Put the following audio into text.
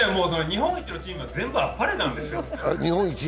日本一のチーム、全部あっぱれなんですよ。